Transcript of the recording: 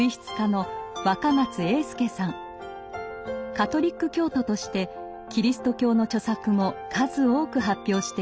カトリック教徒としてキリスト教の著作も数多く発表しています。